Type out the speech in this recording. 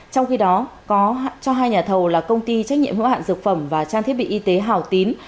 trong khi đó cho hai nhà thầu là công ty trách nhiệm hữu hạn dược phẩm và trang thiết bị y tế hào tín